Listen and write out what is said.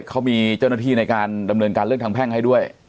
เขามีเจ้าหน้าที่ในการดำเนินการเรื่องทางแพ่งให้ด้วย